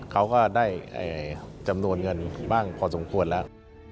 เขาก็ได้จำนวนเงินบ้างพอสมควรแล้ว